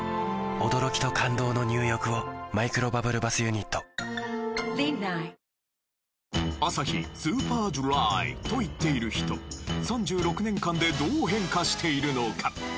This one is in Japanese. ニトリ「アサヒスーパードライ」と言っている人３６年間でどう変化しているのか？